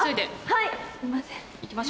はいすみません。